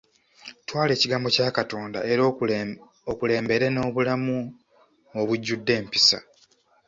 Twala ekigambo kya Katonda era okulembere n'obulamu obujjudde empisa.